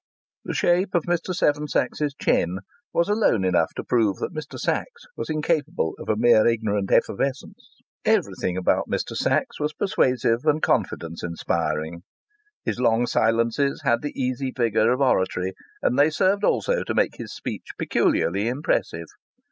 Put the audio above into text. The shape of Mr. Seven Sachs's chin was alone enough to prove that Mr. Sachs was incapable of a mere ignorant effervescence. Everything about Mr. Sachs was persuasive and confidence inspiring. His long silences had the easy vigour of oratory, and they served also to make his speech peculiarly impressive.